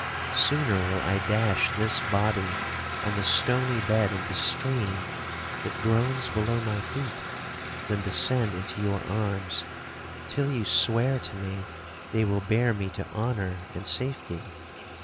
Sooner will I dash this body on the stony bed of the stream that groans below my feet, than descend into your arms, till you swear to me they will bear me to honour and safety!